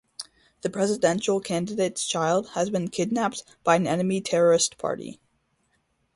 The presidential candidate's child has been kidnapped by an enemy terrorist party.